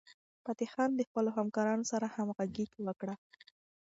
فتح خان د خپلو همکارانو سره همغږي وکړه.